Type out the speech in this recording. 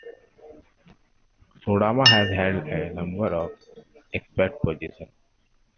Sotamaa has held a number of expert positions.